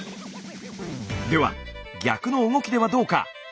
では逆の動きではどうか？